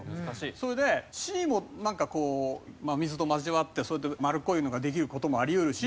それでＣもなんかこう水と交わってそれで丸っこいのができる事もありうるし。